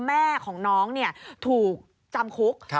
แม่ของน้องถูกจำคุก